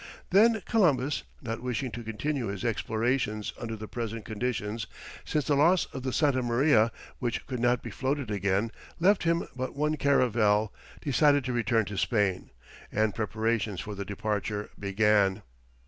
Then Columbus, not wishing to continue his explorations under the present conditions, since the loss of the Santa Maria, which could not be floated again, left him but one caravel, decided to return to Spain, and preparations for the departure began.